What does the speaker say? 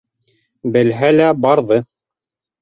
Белһә лә барҙы.